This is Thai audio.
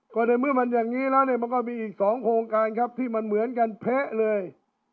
ก็ในเมื่อมันอย่างนี้แล้วเนี่ยมันก็มีอีก๒โครงการครับที่มันเหมือนกันเละเลย